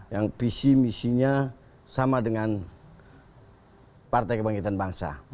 yang visi misinya sama dengan partai kebangkitan bangsa